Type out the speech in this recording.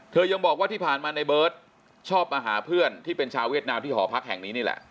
ยังบอกว่าที่ผ่านมาในเบิร์ตชอบมาหาเพื่อนที่เป็นชาวเวียดนามที่หอพักแห่งนี้นี่แหละ